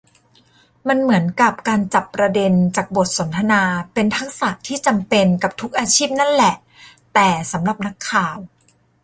มันเหมือนกับ การจับประเด็นจากบทสนทนาเป็นทักษะที่จำเป็นกับทุกอาชีพนั่นแหละ แต่สำหรับนักข่าว